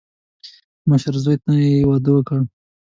مشر زوی ته دې واده وکړه.